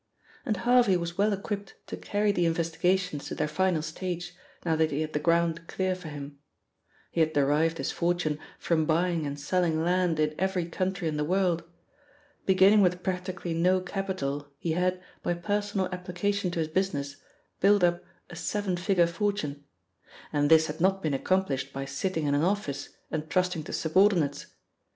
And Harvey was well equipped to carry the investigations to their final stage now that he had the ground clear for him. He had derived his fortune from buying and selling land in every country in the world. Beginning with practically no capital, he had, by personal application to his business, built up a seven figure fortune. And this had not been accomplished by sitting in an office and trusting to subordinates.